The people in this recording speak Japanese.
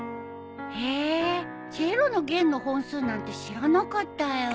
へえチェロの弦の本数なんて知らなかったよ。